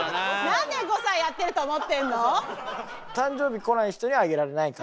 何年５歳やってると思ってんの？